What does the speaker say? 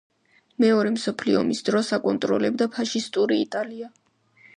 მეორე მსოფლიო ომის დროს აკონტროლებდა ფაშისტური იტალია.